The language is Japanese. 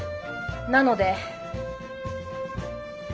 なので。